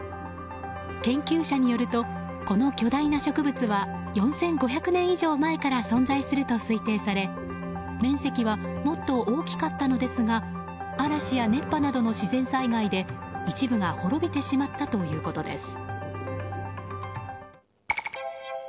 研究者によるとこの巨大な植物は４５００年以上前から存在すると推定され面積はもっと大きかったのですが嵐や熱波などの自然災害で一部が滅びてしまったということです。